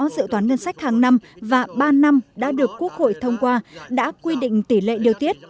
dự toán ngân sách hàng năm và ba năm đã được quốc hội thông qua đã quy định tỷ lệ điều tiết